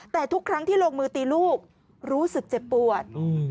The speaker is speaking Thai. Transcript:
แต่ทุกครั้งที่ลงมือตีลูกรู้สึกเจ็บปวด